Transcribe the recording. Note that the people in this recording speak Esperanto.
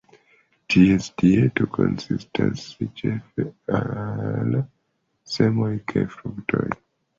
Ties dieto konsistas ĉefe el semoj kaj fruktoj.